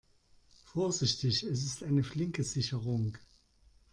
Vorsichtig, es ist eine flinke Sicherung.